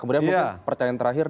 kemudian percayaan terakhir